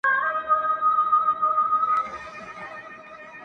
زه تر هر چا درنیژدې یم ستا په ځان کي یم دننه-